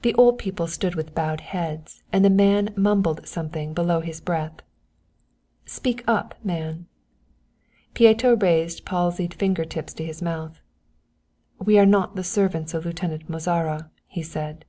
The old people stood with bowed heads and the man mumbled something below his breath. "Speak up, man." Pieto raised palsied finger tips to his mouth. "We are not the servants of Lieutenant Mozara," he said.